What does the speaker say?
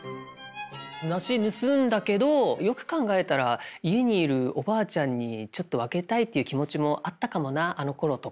梨盗んだけどよく考えたら家にいるおばあちゃんにちょっと分けたいっていう気持ちもあったかもなあのころとか。